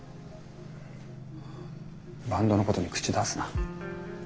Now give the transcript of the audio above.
バンドのことに口出すな。